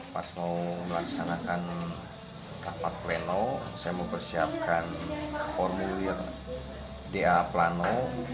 pas mau melaksanakan rapat pleno saya mau persiapkan formulir da plano